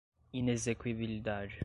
inexequibilidade